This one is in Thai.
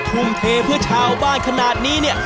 ทุ่มเทเพื่อชาวบ้านขนาดนี้เนี่ย